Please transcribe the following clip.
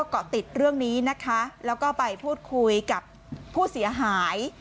เกาะติดเรื่องนี้นะคะแล้วก็ไปพูดคุยกับผู้เสียหาย